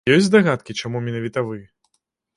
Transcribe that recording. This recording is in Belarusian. Ёсць здагадкі, чаму менавіта вы?